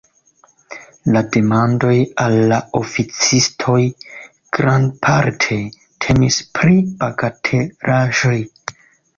La demandoj al la oficistoj grandparte temis pri bagatelaĵoj.